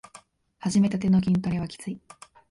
はじめたての筋トレはきつい